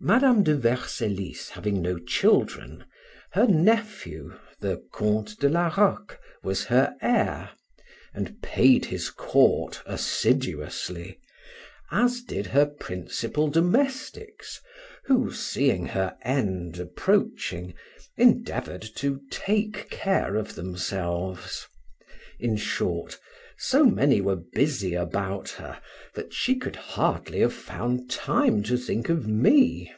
Madam de Vercellis having no children, her nephew, the Count de la Roque, was her heir, and paid his court assiduously, as did her principal domestics, who, seeing her end approaching, endeavored to take care of themselves; in short, so many were busy about her, that she could hardly have found time to think of me.